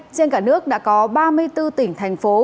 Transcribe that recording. trên cả nước đã có ba mươi bốn tỉnh thành phố